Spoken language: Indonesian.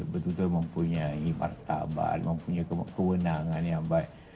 betul betul mempunyai martabat mempunyai kewenangan yang baik